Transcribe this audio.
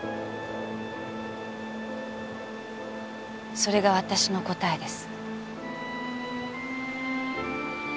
それが私の答えです。